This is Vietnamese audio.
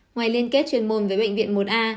ngoài liên kết chuyên môn với bệnh viện một a